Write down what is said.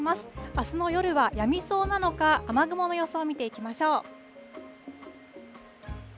あすの夜はやみそうなのか、雨雲の予想を見ていきましょう。